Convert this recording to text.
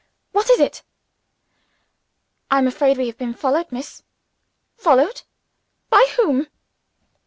"What is it?" "I'm afraid we have been followed, Miss." "Followed? By whom?"